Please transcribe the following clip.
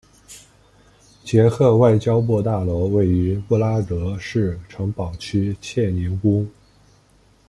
捷克外交部大楼位于布拉格市城堡区切宁宫。